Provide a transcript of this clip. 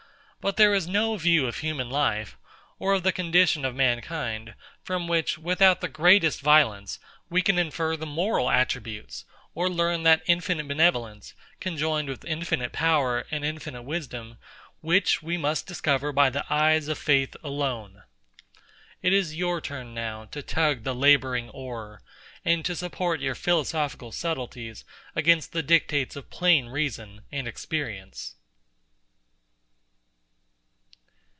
But there is no view of human life, or of the condition of mankind, from which, without the greatest violence, we can infer the moral attributes, or learn that infinite benevolence, conjoined with infinite power and infinite wisdom, which we must discover by the eyes of faith alone. It is your turn now to tug the labouring oar, and to support your philosophical subtleties against the dictates of plain reason and experience.